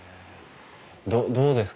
どうですか？